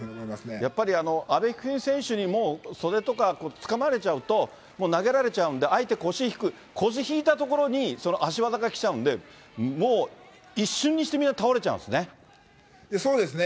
やっぱり阿部一二三選手にもう袖とかつかまれちゃうと、もう、投げられちゃうんで、相手、腰引く、腰引いたところに、その足技がきちゃうんで、もう一瞬にして、みそうですね。